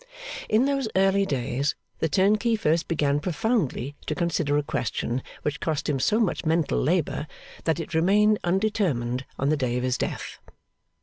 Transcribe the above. In those early days, the turnkey first began profoundly to consider a question which cost him so much mental labour, that it remained undetermined on the day of his death.